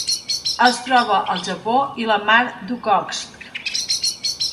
Es troba al Japó i la Mar d'Okhotsk.